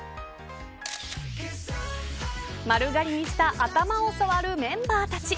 丸刈りにした頭を触るメンバーたち。